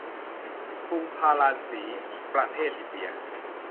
กรุงพาราณสี ประเทศอินเดีย